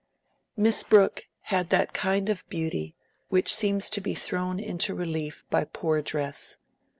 Miss Brooke had that kind of beauty which seems to be thrown into relief by poor dress.